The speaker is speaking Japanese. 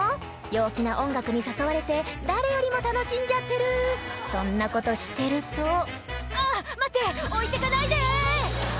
陽気な音楽に誘われて誰よりも楽しんじゃってるそんなことしてると「あぁ待って置いてかないで！」